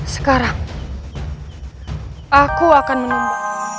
sekarang aku akan menunggu